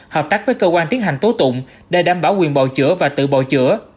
hợp tác với cơ quan tiến hành tố tụng để đảm bảo quyền bầu chữa và tự bầu chữa